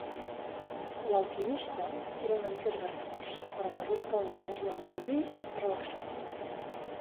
L'alquimista era una mica esgarrifós, però a mesura que el noi es bevia el vi es relaxava.